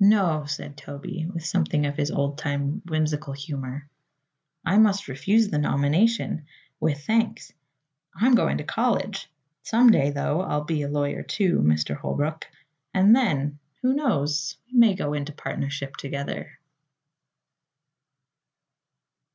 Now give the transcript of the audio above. "No," said Toby, with something of his old time whimsical humor, "I must refuse the nomination, with thanks. I'm going to college. Some day, though, I'll be a lawyer, too, Mr. Holbrook, and then who knows? we may go into partnership together."